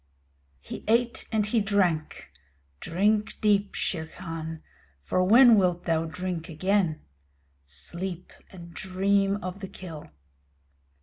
He ate and he drank. Drink deep, Shere Khan, for when wilt thou drink again? Sleep and dream of the kill.